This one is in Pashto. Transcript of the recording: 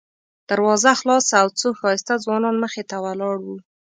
دروازه خلاصه او څو ښایسته ځوانان مخې ته ولاړ وو.